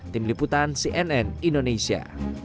tim liputan cnn indonesia